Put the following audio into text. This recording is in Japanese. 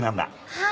はい！